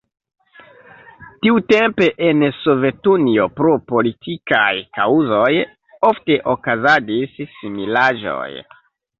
Tiutempe en Sovetunio pro politikaj kaŭzoj ofte okazadis similaĵoj.